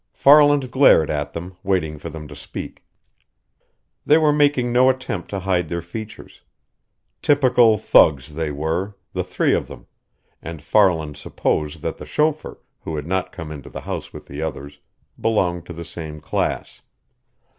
Farland glared at them, waited for them to speak. They were making no attempt to hide their features. Typical thugs they were, the three of them, and Farland supposed that the chauffeur, who had not come into the house with the others, belonged to the same class.